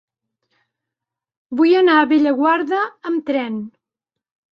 Vull anar a Bellaguarda amb tren.